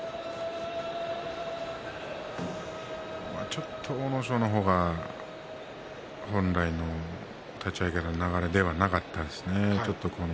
ちょっと阿武咲の方が本来の立ち合いからの流れではなかったですね。